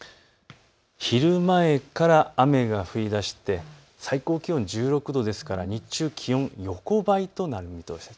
昼前から雨が降りだして最高気温１６度ですから日中、気温横ばいとなる見通しです。